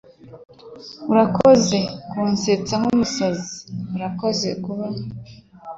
Urakoze kunsetsa nkumusazi. Urakoze kuba